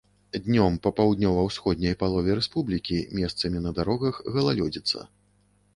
Днём па паўднёва-ўсходняй палове рэспублікі месцамі на дарогах галалёдзіца.